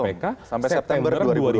kpk sampai september dua ribu dua puluh